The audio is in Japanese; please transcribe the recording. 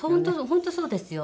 本当そうですよ！